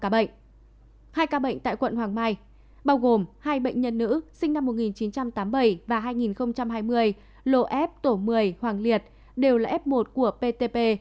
hai ca bệnh tại quận hoàng mai bao gồm hai bệnh nhân nữ sinh năm một nghìn chín trăm tám mươi bảy và hai nghìn hai mươi lộ f tổ một mươi hoàng liệt đều là f một của ptp